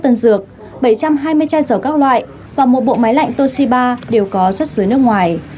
tân dược bảy trăm hai mươi chai dầu các loại và một bộ máy lạnh toshiba đều có xuất xứ nước ngoài